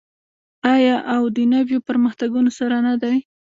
آیا او د نویو پرمختګونو سره نه دی؟